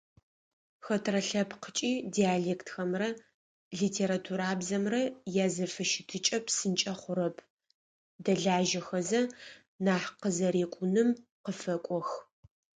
Хэтрэ лъэпкъыкӏи диалектхэмрэ литературабзэмрэ язэфыщытыкӏэ псынкӏэ хъурэп, дэлажьэхэзэ нахь къызэрекӏуным къыфэкӏох.